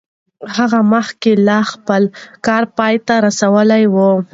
هغه مخکې لا خپل کار پای ته رسولی و.